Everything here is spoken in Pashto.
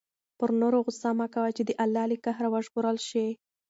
پر نورو غصه مه کوه چې د الله له قهر وژغورل شې.